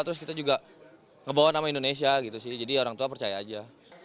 terus kita juga ngebawa nama indonesia gitu sih jadi orang tua percaya aja